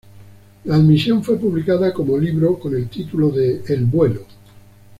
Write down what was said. La admisión fue publicada como libro, con el título de "El vuelo".